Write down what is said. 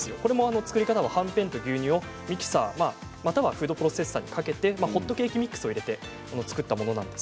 作り方は、はんぺんと牛乳をミキサーまたはフードプロセッサーにかけてホットケーキミックスを入れて作ったものです。